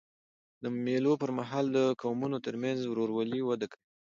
د مېلو پر مهال د قومونو ترمنځ ورورولي وده کوي.